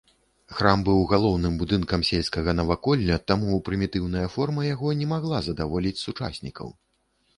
Храм быў галоўным будынкам сельскага наваколля, таму прымітыўная форма яго не магла задаволіць сучаснікаў.